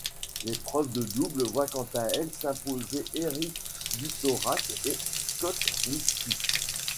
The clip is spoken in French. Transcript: L'épreuve de double voit quant à elle s'imposer Eric Butorac et Scott Lipsky.